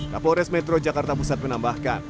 kapolres metro jakarta pusat menambahkan